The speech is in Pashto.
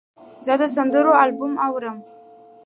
زه د سندرو البوم اورم.